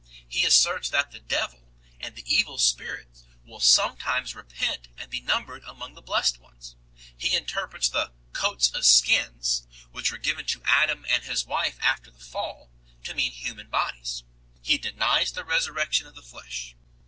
He asserts that the devil and the evil spirits will sometime repent and be numbered among the blessed ones. He interprets the " coats of skins " which were given to Adam and his wife after the Fall to mean human bodies. He denies the resurrection of the flesh.